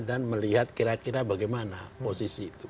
dan melihat kira kira bagaimana posisi itu